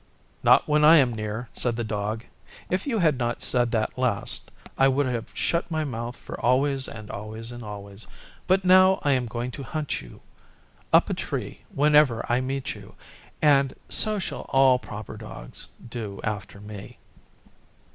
'Not when I am near,' said the Dog. 'If you had not said that last I would have shut my mouth for always and always and always; but now I am going to hunt you up a tree whenever I meet you. And so shall all proper Dogs do after me.